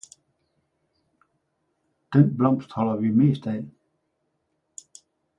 Den blomst holder vi mest af!